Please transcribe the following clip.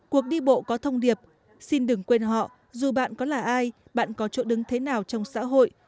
cuộc đi bộ có thông điệp xin đừng quên họ dù bạn có là ai bạn có chỗ đứng thế nào trong xã hội